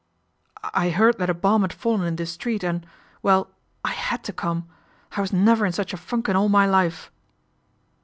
" I heard that a bomb had fallen in this street and well, I had to come. I was never in such a funk in all my life."